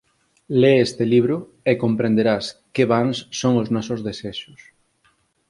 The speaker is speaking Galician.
Le este libro e comprenderás que vans son os nosos desexos.